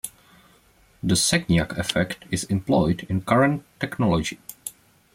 The Sagnac effect is employed in current technology.